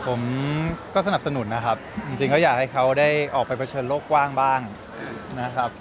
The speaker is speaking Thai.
ผมก็สนับสนุนนะครับจริงก็อยากให้เขาได้ออกไปเผชิญโลกกว้างบ้างนะครับ